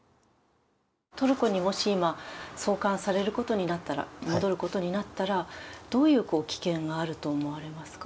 トルコにもし今送還されることになったら、戻ることになったら、どういう危険があると思われますか。